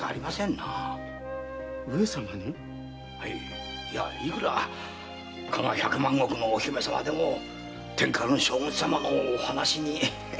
上様に⁉はいいくら加賀百万石のお姫様でも天下の将軍様のお話に逆らうことはないでしょう。